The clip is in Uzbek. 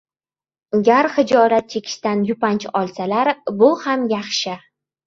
Gar xijolat chekishdan yupanch olsalar — bu ham yaxshi.